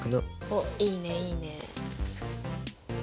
おっいいねいいね。